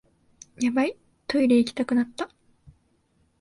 ヤバい、トイレ行きたくなった